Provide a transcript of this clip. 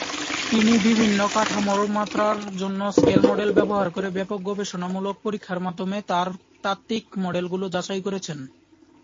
তিনি বিভিন্ন কাঠামো মাত্রার জন্য স্কেল মডেল ব্যবহার করে ব্যপক গবেষণামূলক পরীক্ষার মাধ্যমে, তাঁর তাত্ত্বিক মডেলগুলি যাচাই করেছেন।